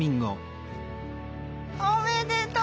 おめでとう！